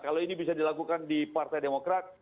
kalau ini bisa dilakukan di partai demokrat